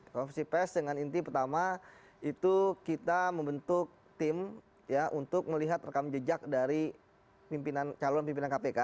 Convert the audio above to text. konversi pes dengan inti pertama itu kita membentuk tim ya untuk melihat rekam jejak dari calon pimpinan kpk